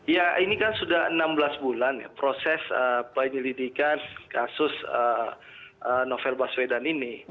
ya ini kan sudah enam belas bulan ya proses penyelidikan kasus novel baswedan ini